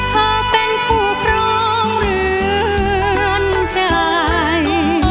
เธอเป็นผู้ครองเรือนใจ